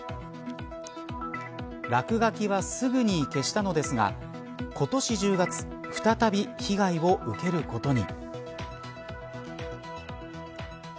落書きは、すぐに消したのですが今年１０月再び被害を受けることに。